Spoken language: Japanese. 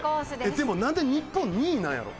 でもなんで日本２位なんやろ？